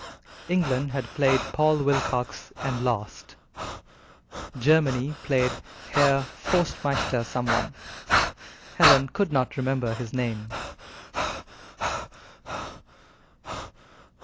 England had played Paul Wilcox, and lost; Germany played Herr Forstmeister someone Helen could not remember his name.